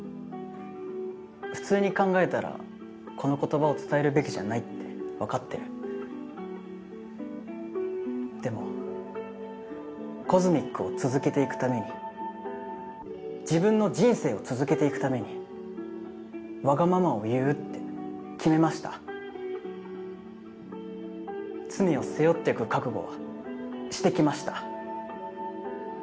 普通に考えたらこの言葉を伝えるべきじゃないって分かってるでもＣＯＳＭＩＣを続けていくために自分の人生を続けていくためにわがままを言うって決めました罪を背負っていく覚悟はしてきました